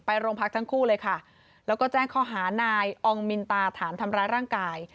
โรงพักทั้งคู่เลยค่ะแล้วก็แจ้งข้อหานายอองมินตาฐานทำร้ายร่างกาย